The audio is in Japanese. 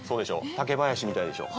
竹林みたいでしょう。